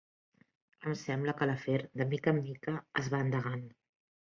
Em sembla que l'afer, de mica en mica, es va endegant.